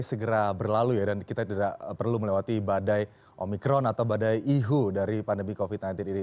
segera berlalu ya dan kita tidak perlu melewati badai omikron atau badai ihu dari pandemi covid sembilan belas ini